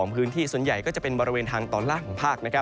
พื้นที่ส่วนใหญ่ก็จะเป็นบริเวณทางตอนล่างของภาค